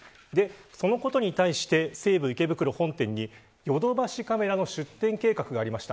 そのことに対して西武池袋本店にヨドバシカメラの出店計画がありました。